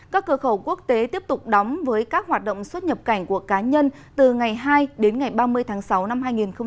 các cửa khẩu quốc tế tiếp tục đóng với các hoạt động xuất nhập cảnh của cá nhân từ ngày hai đến ngày ba mươi tháng sáu năm hai nghìn hai mươi